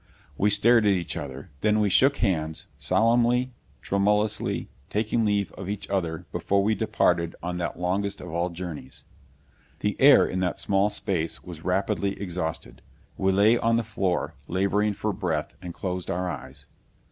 We stared at each other. Then we shook hands, solemnly, tremulously, taking leave of each other before we departed on that longest of all journeys.... The air in that small space was rapidly exhausted. We lay on the floor, laboring for breath, and closed our eyes....